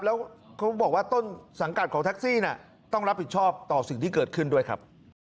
แล้วเขาบอกว่าต้นสังกัดของแท็กซี่ต้องรับผิดชอบต่อสิ่งที่เกิดขึ้นด้วยครับ